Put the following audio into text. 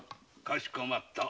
かしこまった。